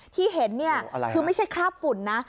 ที่เห็นเนี่ยคือไม่ใช่คราบฝุ่นนะ